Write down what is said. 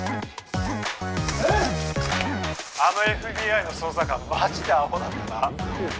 あの ＦＢＩ の捜査官マジでアホだったな